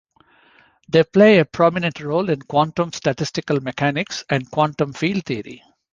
They play a prominent role in quantum statistical mechanics and quantum field theory.